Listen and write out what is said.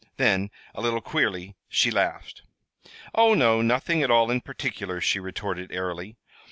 Then, a little queerly, she laughed. "Oh, no, nothing at all in particular," she retorted airily.